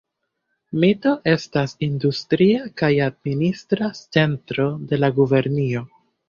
Mito estas industria kaj administra centro de la gubernio.